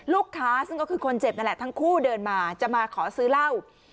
ซึ่งก็คือคนเจ็บนั่นแหละทั้งคู่เดินมาจะมาขอซื้อเหล้า